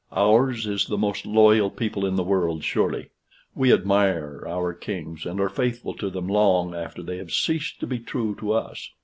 Ours is the most loyal people in the world surely; we admire our kings, and are faithful to them long after they have ceased to be true to us.